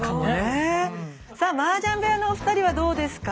さあマージャン部屋のお二人はどうですか？